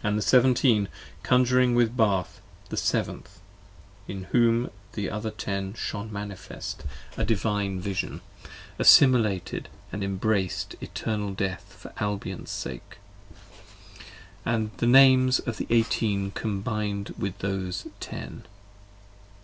And the Seventeen conjoining with Bath, the Seventh, In whom the other Ten shone manifest, a Divine Vision! 39 Assimilated and embrac'd Eternal Death for Albion's sake. 40 And these the names of the Eighteen combining with those Ten.